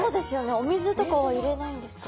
お水とかは入れないんですか？